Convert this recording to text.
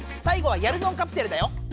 最後はやるぞんカプセルだよ。